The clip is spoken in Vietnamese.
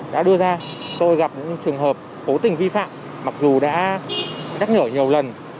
đã đưa ra tôi gặp những trường hợp cố tình vi phạm mặc dù đã nhắc nhở nhiều lần